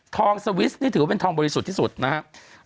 สวิสนี่ถือว่าเป็นทองบริสุทธิ์ที่สุดนะครับ